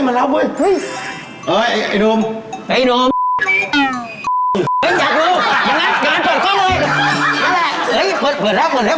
เข้ามาเนี่ยนะบางทุกคนมาทำเนี่ยนะ